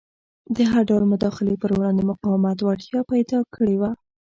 د هر ډول مداخلې پر وړاندې مقاومت وړتیا پیدا کړې وه.